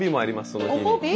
その日に。